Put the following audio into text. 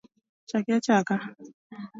Chaki achaka